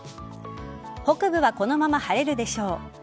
北部はこのまま晴れるでしょう。